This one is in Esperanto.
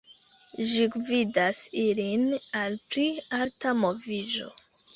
Ĝi gvidas ilin al pli alta moviĝo.